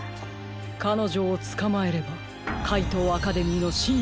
かのじょをつかまえればかいとうアカデミーのしん